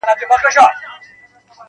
وينو به اور واخيست ګامونو ته به زور ورغی-